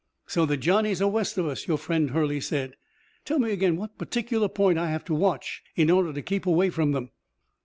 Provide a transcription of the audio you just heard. "So the Johnnies are west of us, your friend Hurley said. Tell me again what particular point I have to watch in order to keep away from them."